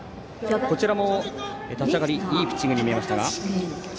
こちらも、立ち上がりいいピッチングに見えました。